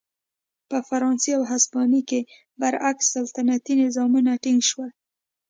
په فرانسې او هسپانیې کې برعکس سلطنتي نظامونه ټینګ شول.